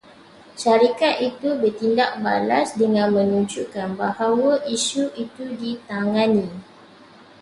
Syarikat itu bertindak balas dengan menunjukkan bahawa isu itu ditangani